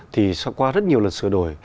thì sau qua rất nhiều lần sửa đổi